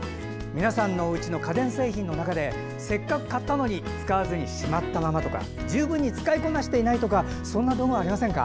皆さんのおうちの家電製品の中でせっかく買ったのに使わずにしまったままとか十分に使いこなしていないとかそんな道具はありませんか。